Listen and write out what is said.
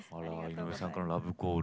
井上さんからのラブコール。